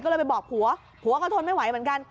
ก็เลยไปบอกผัวผัวก็ทนไม่ไหวเหมือนกัน